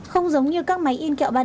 không giống như các máy in kẹo ba d khác